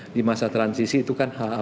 di masa transisi itu kan